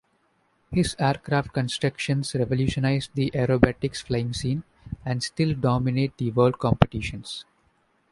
His aircraft constructions revolutionized the aerobatics flying scene and still dominate world competitions.